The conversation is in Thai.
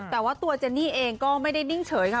แต่ว่าตัวเจนนี่เองก็ไม่ได้นิ่งเฉยค่ะ